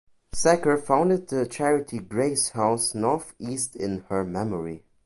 Secker founded the charity Grace House North East in her memory.